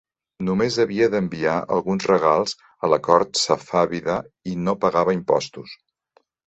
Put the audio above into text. Només havia d'enviar alguns regals a la cort safàvida i no pagava impostos.